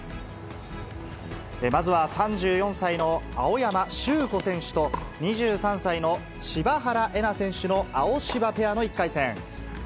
まずは３４歳の青山修子選手と、２３歳の柴原瑛菜選手の青柴ペアの１回戦。